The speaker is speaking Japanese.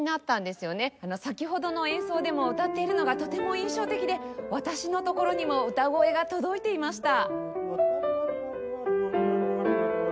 先ほどの演奏でも歌っているのがとても印象的で私のところにも歌声が届いていました。